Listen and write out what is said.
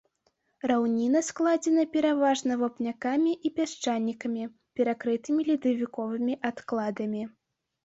Раўніна складзена пераважна вапнякамі і пясчанікамі, перакрытымі ледавіковымі адкладамі.